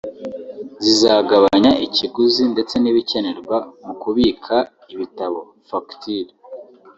“Zizagabanya ikiguzi ndetse n’ibikenerwa mu kubika ibitabo (facturier)